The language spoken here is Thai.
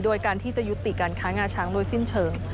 โดยการที่จะยุติการค้างาช้างโดยสิ้นเชิง